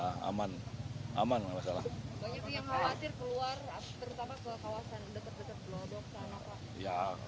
banyak yang khawatir keluar terutama ke kawasan dekat dekat gelodok sana pak